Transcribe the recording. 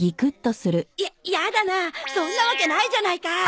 ややだなあそんなわけないじゃないか。